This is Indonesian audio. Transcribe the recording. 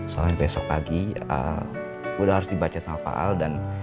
soalnya besok pagi udah harus dibaca sama pak al dan